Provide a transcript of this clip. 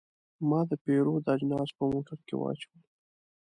ما د پیرود اجناس په موټر کې واچول.